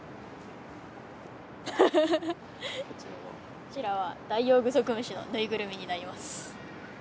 こちらはダイオウグソクムシの縫いぐるみになります。